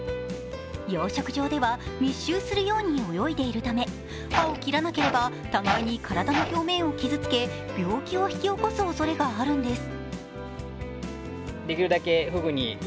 養殖場では密集するように泳いでいるため歯を切らなければ互いに体の表面を傷つけ、病気を引き起こすおそれがあるんです。